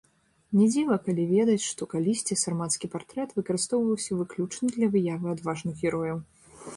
Не дзіва, калі ведаць, што калісьці сармацкі партрэт выкарыстоўваўся выключна для выявы адважных герояў.